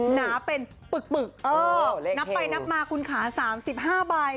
หนาเป็นปึกเออนับไปนับมาคุณขา๓๕ใบ